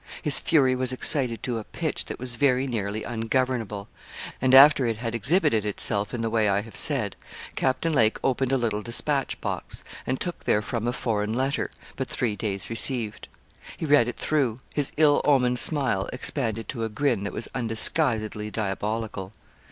His fury was excited to a pitch that was very nearly ungovernable; and after it had exhibited itself in the way I have said, Captain Lake opened a little despatch box, and took therefrom a foreign letter, but three days received. He read it through: his ill omened smile expanded to a grin that was undisguisedly diabolical.